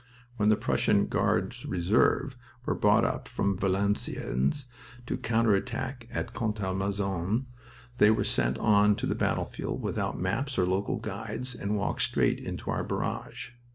When the Prussian Guards Reserves were brought up from Valenciennes to counter attack at Contalmaison they were sent on to the battlefield without maps or local guides, and walked straight into our barrage.